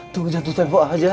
tunggu jatuh tempo aja ya